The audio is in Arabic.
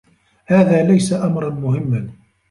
هذا ليس أمرا مهمّا.